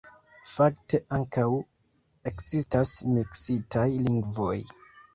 Fakte ankaŭ ekzistas miksitaj lingvoj.